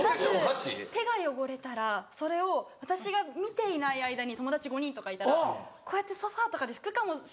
・まず手が汚れたらそれを私が見ていない間に友達５人とかいたらこうやってソファとかで拭くかもしれない。